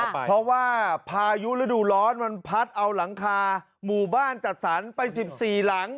เพราะว่าพายุฤดูร้อนมันพัดเอาหลังคาหมู่บ้านจัดสรรไป๑๔หลัง